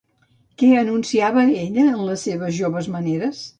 Què anunciava ella en les seves joves maneres?